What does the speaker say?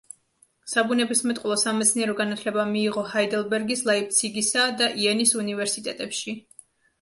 საბუნებისმეტყველო სამეცნიერო განათლება მიიღო ჰაიდელბერგის, ლაიფციგისა და იენის უნივერსიტეტებში.